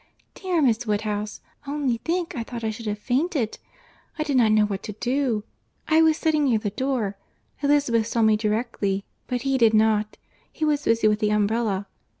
—Dear Miss Woodhouse! only think. I thought I should have fainted. I did not know what to do. I was sitting near the door—Elizabeth saw me directly; but he did not; he was busy with the umbrella.